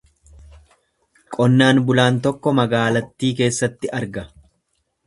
Qonnaan bulaan tokko magaalattii keessatti arga.